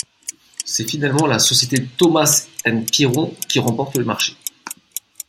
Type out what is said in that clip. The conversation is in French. C'est finalement la société Thomas & Piron qui remporte le marché.